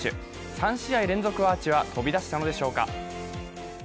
３試合連続アーチは飛び出したのでしょうか。